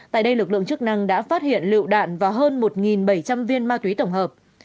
tại đây lực lượng chức năng đã phát hiện lựu đạn và hơn một bảy trăm linh viên ma túy tổng hợp